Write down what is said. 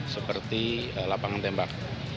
seperti lapangan tembak